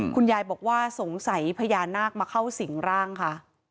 คุณยายบอกว่าสงสัยพญานาคมาเข้าสิ่งร่างค่ะ